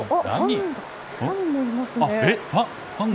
ファンがいますね。